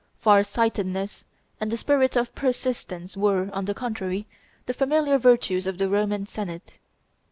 Far sightedness and the spirit of persistence were, on the contrary, the familiar virtues of the Roman Senate.